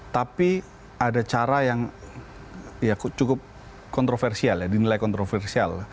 tapi ada cara yang cukup kontroversial ya dinilai kontroversial